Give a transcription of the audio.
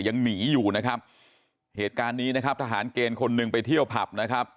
ยังหนีอยู่นะครับเหตุการณ์นี้นะครับทหารเกณฑ์คนหนึ่งไปเที่ยวผับนะครับ